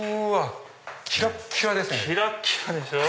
キラキラですね。